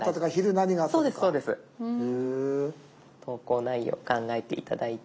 投稿内容を考えて頂いて。